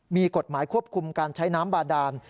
มีกฎหมายควบคุมการใช้น้ำบาดาน